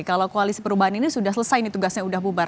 kalau koalisi perubahan ini sudah selesai nih tugasnya sudah bubar